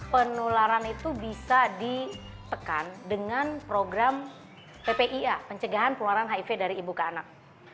penularan itu bisa ditekan dengan program ppia pencegahan peluaran hiv dari ibu keanak